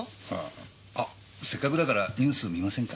あせっかくだからニュース観ませんか？